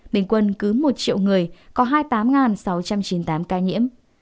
bình quân cứ một triệu người có hai mươi tám sáu trăm chín mươi tám ca nhiễm